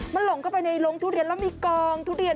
มันหลงเข้าไปในโรงทุเรียนแล้วมีกองทุเรียน